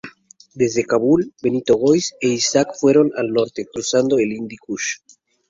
Desde Kabul, Bento Góis e Isaac fueron al norte, cruzando el Hindu Kush.